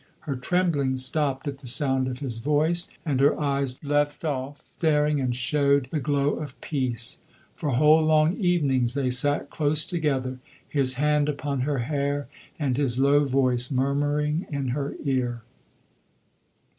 Her trembling stopped at the sound of his voice, and her eyes left off staring and showed the glow of peace. For whole long evenings they sat close together, his hand upon her hair and his low voice murmuring in her ear.